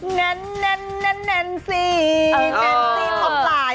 แนนแนนแนนแนนซีแนนซีขอบตาย